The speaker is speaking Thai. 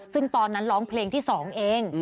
ซึ่งตอนนั้นร้องเพลงที่๒เอง